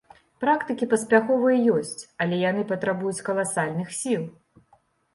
Практыкі паспяховыя ёсць, але яны патрабуюць каласальных сіл.